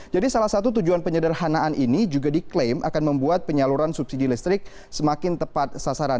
jadi salah satu tujuan penyederhanaan ini juga diklaim akan membuat penyaluran subsidi listrik semakin tepat sasaran